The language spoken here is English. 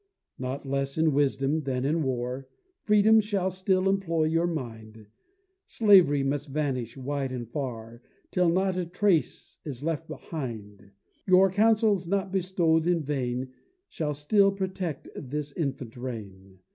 Not less in wisdom than in war Freedom shall still employ your mind, Slavery must vanish, wide and far, Till not a trace is left behind; Your counsels not bestow'd in vain, Shall still protect this infant reign.